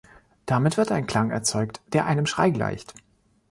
Damit wird ein Klang erzeugt, der einem Schrei gleicht.